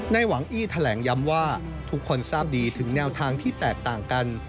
หวังอี้แถลงย้ำว่าทุกคนทราบดีถึงแนวทางที่แตกต่างกัน